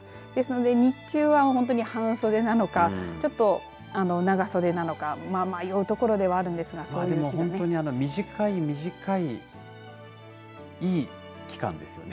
ですので日中はほんとに半袖なのかちょっと長袖なのか迷うところではあるんですがでも本当に短い短いいい期間ですよね